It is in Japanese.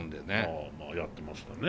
ああまあやってましたね